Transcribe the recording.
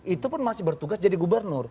itu pun masih bertugas jadi gubernur